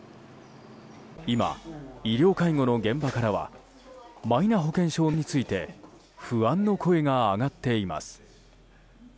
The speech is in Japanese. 今、医療介護の現場からはマイナ保険証について不安の声が上がっています。